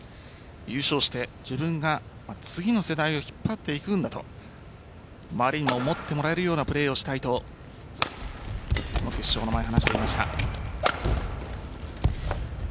優勝して自分が次の世代を引っ張っていくんだと周りにも思ってもらえるようなプレーをしたいとこの決勝の前、話していました。